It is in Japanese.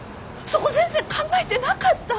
そこ全然考えてなかった。